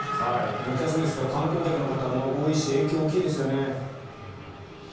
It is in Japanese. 夏休みですから観光客の方も多いですし影響が大きいですよね。